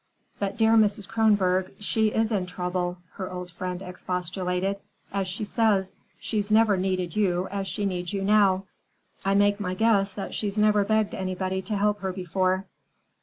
"But, dear Mrs. Kronborg, she is in trouble," her old friend expostulated. "As she says, she's never needed you as she needs you now. I make my guess that she's never begged anybody to help her before."